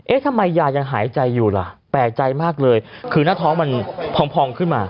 ทำไมยายังหายใจอยู่ล่ะแปลกใจมากเลยคือหน้าท้องมันพองขึ้นมา